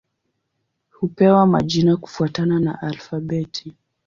Hupewa majina kufuatana na alfabeti.